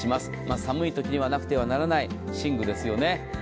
寒いときにはなくてはならない寝具ですよね。